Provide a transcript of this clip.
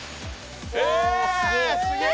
えすげえ！